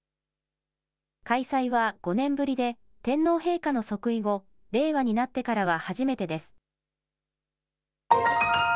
開催は５年ぶりで、天皇陛下の即位後、令和になってからは初めてです。